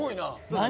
何？